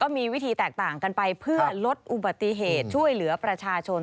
มีวิธีแตกต่างกันไปเพื่อลดอุบัติเหตุช่วยเหลือประชาชน